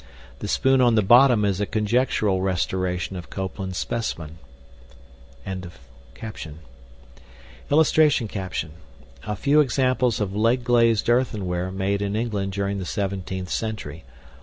THE SPOON ON THE BOTTOM IS A CONJECTURAL RESTORATION OF COPELAND'S SPECIMEN.] [Illustration: A FEW EXAMPLES OF LEAD GLAZED EARTHENWARE MADE IN ENGLAND DURING THE 17TH CENTURY.